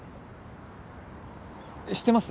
知ってます？